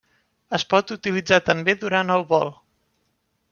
Es pot utilitzar també durant el vol.